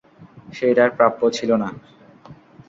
সে এটার প্রাপ্য ছিল না।